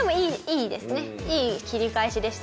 いい切り返しでしたね。